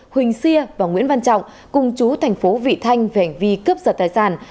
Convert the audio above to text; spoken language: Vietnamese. huỳnh sia và nguyễn văn trọng cùng chú thành phố vị thanh về hành vi cướp giật tài sản